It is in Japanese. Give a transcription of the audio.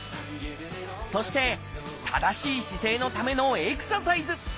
そして正しい姿勢のためのエクササイズ。